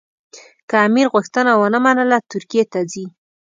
که امیر غوښتنه ونه منله ترکیې ته ځي.